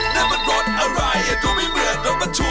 นั่นมันรสอะไรก็ไม่เหมือนรถบรรทุก